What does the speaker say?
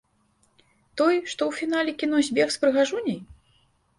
Той, што у фінале кіно збег з прыгажуняй?